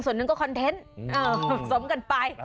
ส่วนหนึ่งก็คอนเทนต์สมกันไป